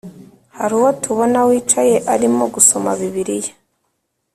haruwo tubona wicaye arimo gusoma bibiliya